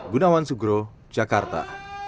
gunawan sugro jakarta